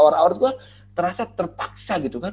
awal awal itu kan terasa terpaksa gitu kan